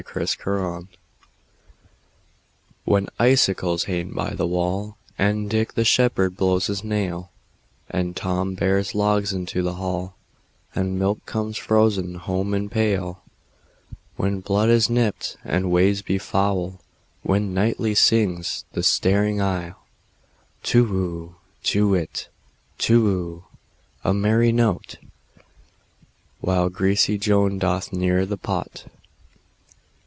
Winter WHEN icicles hang by the wallAnd Dick the shepherd blows his nail, And Tom bears logs into the hall, And milk comes frozen home in pail; When blood is nipt, and ways be foul, Then nightly sings the staring owlTu whoo! To whit, Tu whoo! A merry note! While greasy Joan doth keel the pot.